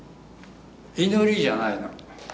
祈りじゃないの。